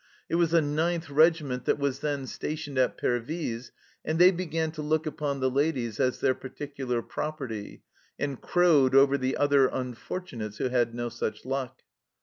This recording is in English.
It was the 9th Regiment that was then stationed at Pervyse, and they began to look upon the ladies as their particular property, and crowed over the other unfortunates who had no such luck.